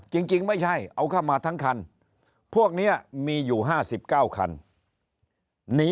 จริงไม่ใช่เอาเข้ามาทั้งคันพวกนี้มีอยู่๕๙คัน